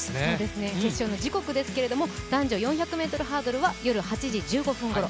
決勝の時刻は男女４００ｍハードルは夜８時１５分ごろ。